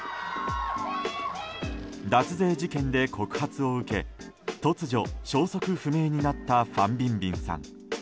脱税事件で告発を受け突如、消息不明になったファン・ビンビンさん。